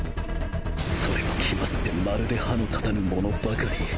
それも決まってまるで歯の立たぬ者ばかり。